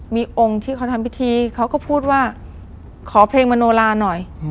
มีองค์ที่เขาทำพิธีเขาก็พูดว่าขอเพลงมโนลาหน่อย